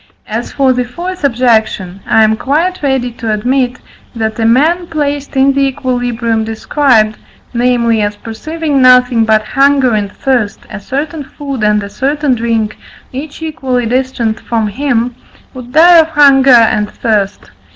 As for the fourth objection, I am quite ready to admit, that a man placed in the equilibrium described (namely, as perceiving nothing but hunger and thirst, a certain food and a certain drink, each equally distant from him) would die of hunger and thirst.